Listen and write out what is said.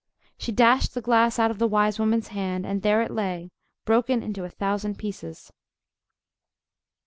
She dashed the glass out of the wise woman's hand, and there it lay, broken into a thousand pieces!